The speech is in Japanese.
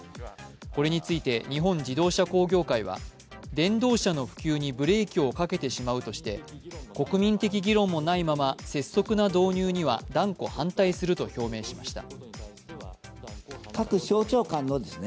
これについて日本自動車工業会は電動車の普及にブレーキをかけてしまうとして国民的議論もないまま拙速な導入には断固反対すると表明しました。